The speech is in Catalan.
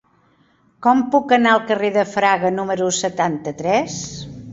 Com puc anar al carrer de Fraga número setanta-tres?